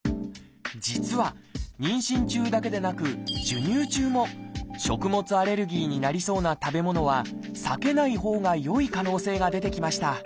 実は妊娠中だけでなく授乳中も食物アレルギーになりそうな食べ物は避けないほうがよい可能性が出てきました。